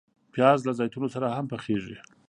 پیاز له زیتونو سره هم پخیږي